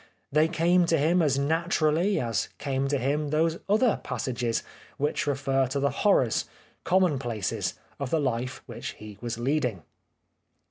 They came to him as naturally as came to him those other passages which refer to the horrors, commonplaces of the life which he was leading.